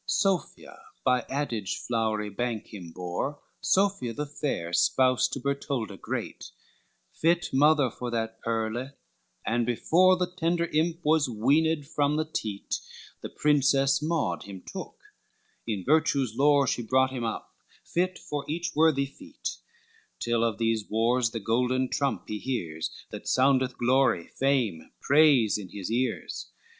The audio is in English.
LIX Sophia by Adige's flowery bank him bore, Sophia the fair, spouse to Bertoldo great, Fit mother for that pearl, and before The tender imp was weaned from the teat, The Princess Maud him took, in Virtue's lore She brought him up fit for each worthy feat, Till of these wares the golden trump he hears, That soundeth glory, fame, praise in his ears.